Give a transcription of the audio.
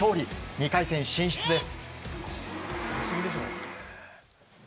２回戦進出です。